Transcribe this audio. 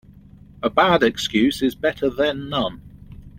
A bad excuse is better then none.